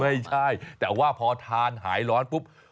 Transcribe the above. ไม่ใช่แต่ว่าพอทานหายร้อนปุ๊บ